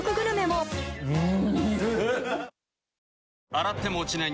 洗っても落ちない